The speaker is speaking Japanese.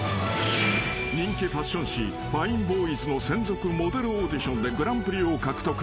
［人気ファッション誌『ＦＩＮＥＢＯＹＳ』の専属モデルオーディションでグランプリを獲得］